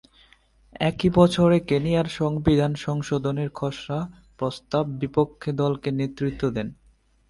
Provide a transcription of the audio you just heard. একই বছরে কেনিয়ার সংবিধান সংশোধনের খসড়া প্রস্তাবের বিপক্ষে দলকে নেতৃত্ব দেন।